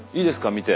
見て。